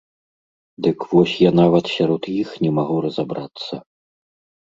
Дык вось я нават сярод іх не магу разабрацца.